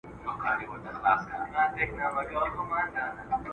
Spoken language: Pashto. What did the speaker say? انسان باید د ناهیلۍ پر ځای د شکر لاره ونیسي.